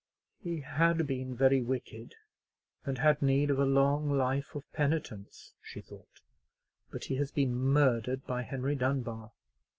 "He had been very wicked, and had need of a long life of penitence," she thought; "but he has been murdered by Henry Dunbar."